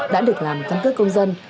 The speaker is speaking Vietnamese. đã được làm căn cấp công dân